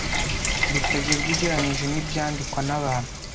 bitagerwa ugereranyije n’ibyandikwa n’abantu